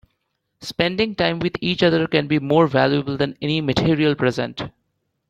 Spending time with each other can be more valuable than any material present.